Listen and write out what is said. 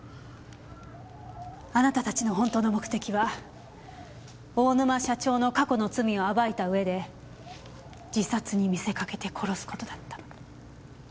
あなたたちの本当の目的は大沼社長の過去の罪を暴いた上で自殺に見せかけて殺す事だった。